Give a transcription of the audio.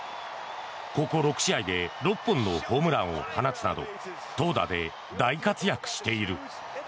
ここ６試合で６本のホームランを放つなど投打で大活躍している。